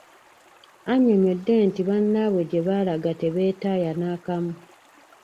Annyonnyodde nti bannaabwe gye baalaga tebeetaaya n'akamu.